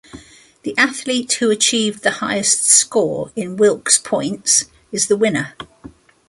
The athlete who achieved the highest score in Wilks points is the winner.